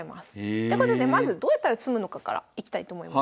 てことでまずどうやったら詰むのかからいきたいと思います。